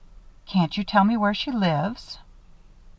Can't you tell me where she lives?"